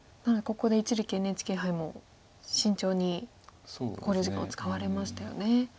なのでここで一力ＮＨＫ杯も慎重に考慮時間を使われましたよね。